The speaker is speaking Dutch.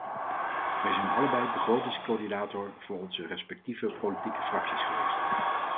Wij zijn allebei begrotingscoördinator voor onze respectieve politieke fracties geweest.